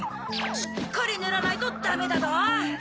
しっかりねらないとダメだどん。